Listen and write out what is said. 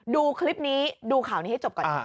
ดูคลิปนี้ดูข่าวนี้ให้จบก่อน